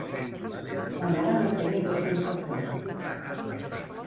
La Nora no té ni dos dits de front.